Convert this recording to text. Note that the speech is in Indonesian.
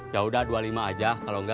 yaudah rp dua puluh lima aja kalau enggak